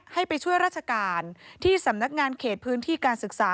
ให้ไปช่วยราชการที่สำนักงานเขตพื้นที่การศึกษา